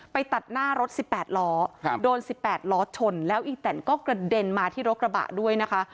ไปตัดหน้ารถสิบแปดล้อครับโดนสิบแปดล้อชนแล้วอีแตนก็กระเด็นมาที่รถกระบะด้วยนะคะ